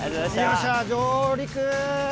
よっしゃ上陸！